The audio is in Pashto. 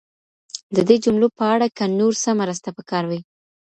د دې جملو په اړه که نور څه مرسته پکار وي؟